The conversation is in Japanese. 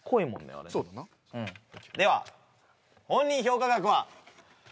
あれそうだなでは本人評価額は？